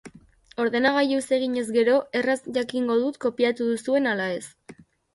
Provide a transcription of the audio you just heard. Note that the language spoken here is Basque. Ordenagailuz eginez gero, erraz jakingo dut kopiatu duzuen ala ez.